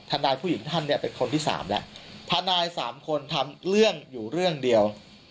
ทนายผู้หญิงท่านเนี่ยเป็นคนที่สามแล้วทนายสามคนทำเรื่องอยู่เรื่องเดียว